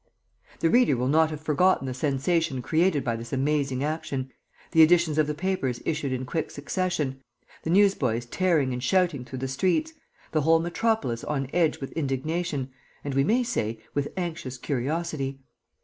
The reader will not have forgotten the sensation created by this amazing action, the editions of the papers issued in quick succession, the newsboys tearing and shouting through the streets, the whole metropolis on edge with indignation and, we may say, with anxious curiosity.